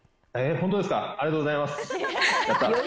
本当ですか、ありがとうございます。